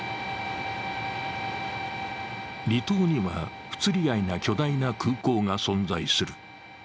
離島には不釣り合いな巨大な空港が存在する。